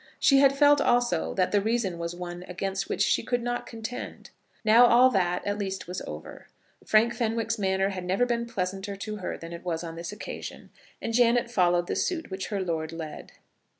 She had felt also that the reason was one against which she could not contend. Now all that, at least, was over. Frank Fenwick's manner had never been pleasanter to her than it was on this occasion, and Janet followed the suit which her lord led.